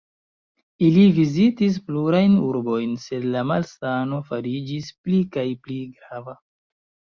Ili vizitis plurajn urbojn, sed la malsano fariĝis pli kaj pli grava.